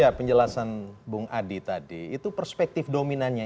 ya penjelasan bung adi tadi itu perspektif dominannya